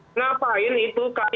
kenapa itu k y